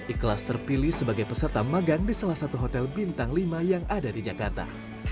ikhlas terpilih sebagai peserta magang di salah satu hotel bintang lima yang ada di jakarta